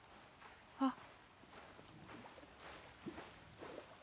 あっ。